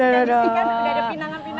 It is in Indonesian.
aduh aduh aduh